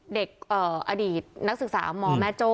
เด็กอดีตนักศึกษามแม่โจ้